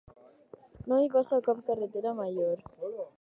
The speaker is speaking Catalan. No hi passa cap carretera major.